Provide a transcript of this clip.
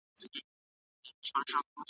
ي